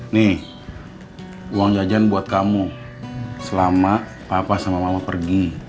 nih uang jajan buat kamu selama papa sama mama pergi